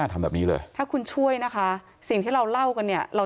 แต่ก็ไม่ทันเรียบร้อยนะ